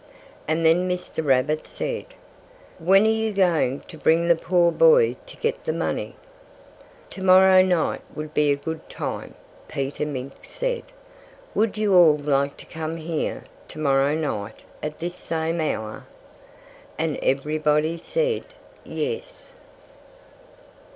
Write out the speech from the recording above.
And then Mr. Rabbit said: "When are you going to bring the poor boy to get the money?" "To morrow night would be a good time," Peter Mink said. "Would you all like to come here to morrow night at this same hour?" And everybody said, "Yes!"